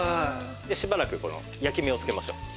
しばらく焼き目をつけましょう。